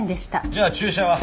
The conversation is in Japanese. じゃあ注射は？